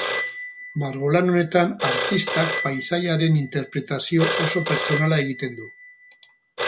Margolan honetan artistak paisaiaren interpretazio oso pertsonala egiten du.